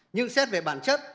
nhưng xét về bản chất